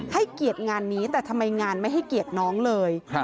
เกียรติงานนี้แต่ทำไมงานไม่ให้เกียรติน้องเลย